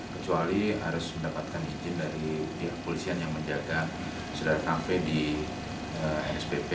kecuali harus mendapatkan izin dari pihak polisian yang menjaga sederhana kafe di nspp